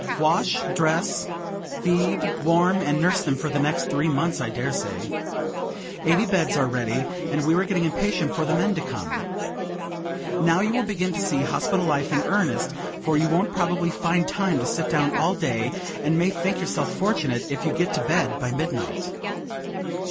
"Wash, dress, feed, warm and nurse them for the next three months, I dare say. Eighty beds are ready, and we were getting impatient for the men to come. Now you will begin to see hospital life in earnest, for you won't probably find time to sit down all day, and may think yourself fortunate if you get to bed by midnight.